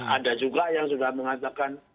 ada juga yang sudah mengatakan